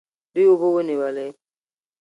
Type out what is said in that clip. دوی اوبه ونیولې.